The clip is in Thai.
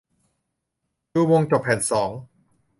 จูมงจบแผ่นสอง